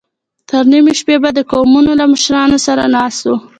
تر نيمې شپې به د قومونو له مشرانو سره ناست و.